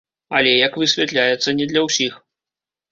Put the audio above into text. Але, як высвятляецца, не для ўсіх.